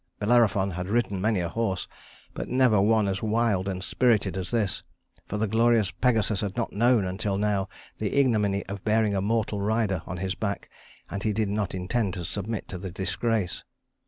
Bellerophon had ridden many a horse, but never one as wild and spirited as this; for the glorious Pegasus had not known, until now, the ignominy of bearing a mortal rider on his back, and he did not intend to submit to the disgrace.